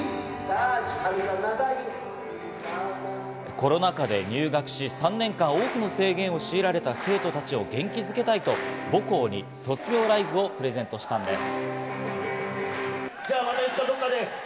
コロナ禍で入学し、３年間多くの制限を強いられた生徒たちを元気づけたいと、母校に卒業ライブをプレゼントしたんです。